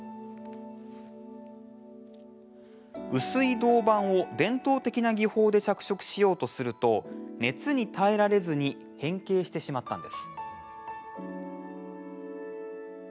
薄い銅板を伝統的な技法で着色しようとすると熱に耐えられず変形してしまったのです。